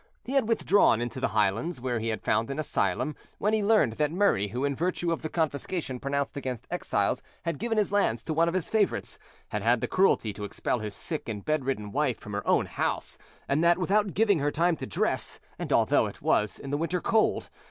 He had withdrawn into the highlands, where he had found an asylum, when he learned that Murray, who in virtue of the confiscation pronounced against exiles had given his lands to one of his favourites, had had the cruelty to expel his sick and bedridden wife from her own house, and that without giving her time to dress, and although it was in the winter cold.